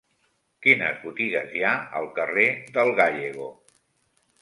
Quines botigues hi ha al carrer del Gállego?